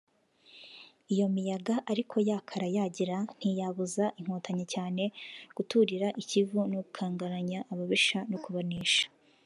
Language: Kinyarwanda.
Iyo miyaga ariko yakara yagira ntiyabuzaga Inkotanyi cyane guturira i Kivu no gukangaranya ababisha no kubanesha